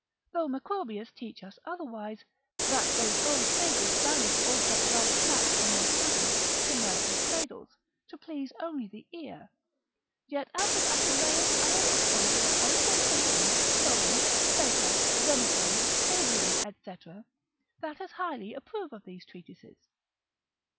Though Macrobius teach us otherwise, that those old sages banished all such light tracts from their studies, to nurse's cradles, to please only the ear; yet out of Apuleius I will oppose as honourable patrons, Solon, Plato, Xenophon, Adrian, &c. that as highly approve of these treatises.